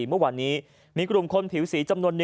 เมื่อวานนี้มีกลุ่มคนผิวสีจำนวน๑